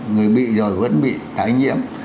người bị rồi vẫn bị tái nhiễm